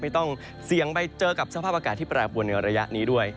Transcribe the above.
ไม่ต้องเสี่ยงไปเจอกับสภาพอากาศที่แปรปวนในระยะนี้ด้วย